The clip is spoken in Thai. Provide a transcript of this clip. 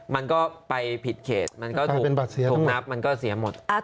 มันก็ไปผิดเขตมันก็ถูกนับมันก็เสียหมด